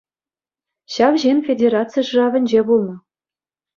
Ҫав ҫын федераци шыравӗнче пулнӑ.